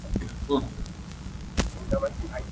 ځکه چي دا په طبیعي لحاظ ممکنه خبره نه ده !.